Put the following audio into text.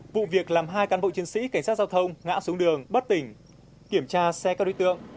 vụ việc làm hai cán bộ chiến sĩ cảnh sát giao thông ngã xuống đường bất tỉnh kiểm tra xe các đối tượng